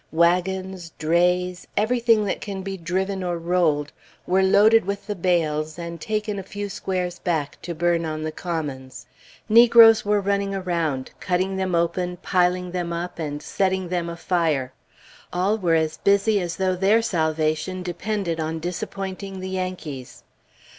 Wagons, drays, everything that can be driven or rolled, were loaded with the bales and taken a few squares back to burn on the commons. Negroes were running around, cutting them open, piling them up, and setting them afire. All were as busy as though their salvation depended on disappointing the Yankees.